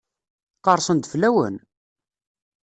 Qersen-d fell-awen?